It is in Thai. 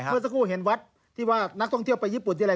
เมื่อสักครู่เห็นวัดที่ว่านักท่องเที่ยวไปญี่ปุ่นที่อะไร